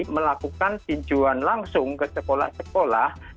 melakukan pinjauan langsung ke sekolah sekolah